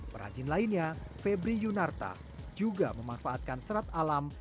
perajin lainnya febri yunarta juga memanfaatkan serat alam